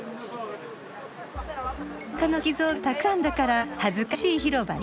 裸の石像がたくさんだから「恥ずかしい広場」ね。